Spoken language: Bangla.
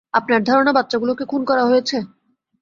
আপনার ধারণা বাচ্চাগুলোকে খুন করা হয়েছে?